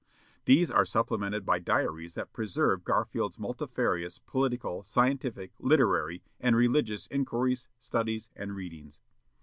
These are supplemented by diaries that preserve Garfield's multifarious, political, scientific, literary, and religious inquiries, studies, and readings.